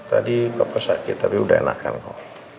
tadi bapak sakit tapi udah enakan kok